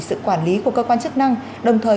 sự quản lý của cơ quan chức năng đồng thời